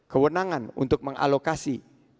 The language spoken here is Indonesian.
kewenangan untuk mengalokasi